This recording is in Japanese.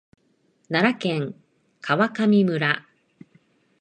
奈良県川上村